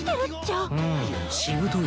うむしぶとい。